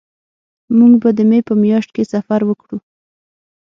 مونږ به د مې په میاشت کې سفر وکړو